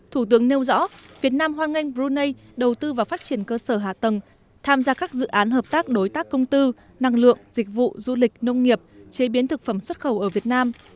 thủ tướng nêu rõ việt nam hoan nghênh brunei đầu tư vào phát triển cơ sở hạ tầng tham gia các dự án hợp tác đối tác công tư năng lượng dịch vụ du lịch nông nghiệp chế biến thực phẩm xuất khẩu ở việt nam